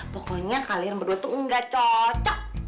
pokoknya kalian berdua tuh nggak cocok